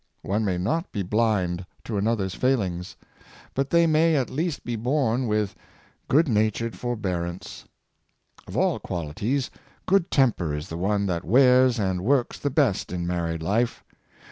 One may not be blind to another's failings, but they may at least be borne with good natured forbear ance. Of all qualities, good temper is the one that wears and works the best in married life.